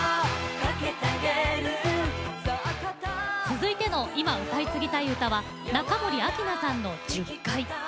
続いての「今、歌い継ぎたい歌」は中森明菜さんの「十戒」。